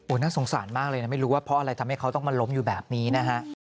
น่าสงสารมากเลยนะไม่รู้ว่าเพราะอะไรทำให้เขาต้องมาล้มอยู่แบบนี้นะฮะ